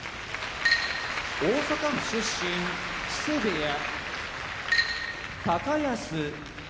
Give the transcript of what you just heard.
大阪府出身木瀬部屋高安